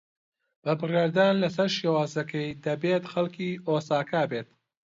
بە بڕیاردان لەسەر شێوەزارەکەی، دەبێت خەڵکی ئۆساکا بێت.